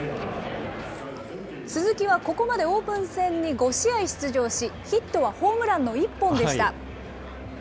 鈴木はここまでオープン戦に５試合出場し、ヒットはホームランの１本でした。